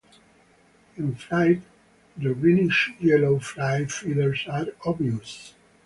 In flight the greenish yellow flight feathers are obvious.